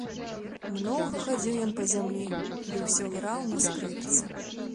Многа хадзіў ён па зямлі ды ўсё граў на скрыпцы.